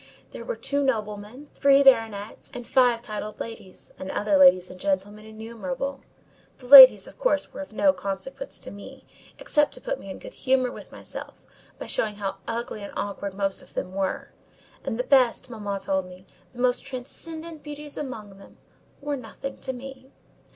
There were two noblemen, three baronets, and five titled ladies, and other ladies and gentlemen innumerable. The ladies, of course, were of no consequence to me, except to put me in a good humour with myself, by showing how ugly and awkward most of them were; and the best, mamma told me,—the most transcendent beauties among them, were nothing to me.